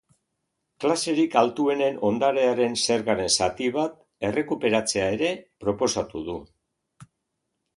Klaserik altuenen ondarearen zergaren zati bat errekuperatzea ere proposatu du.